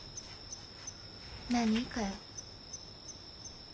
何？かよ。